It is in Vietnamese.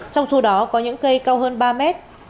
trong số đó có những cây cao hơn ba mét